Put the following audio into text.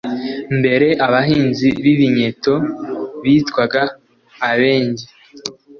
Mbere abahanzi b'ibinyeto bitwaga “ABENGE”\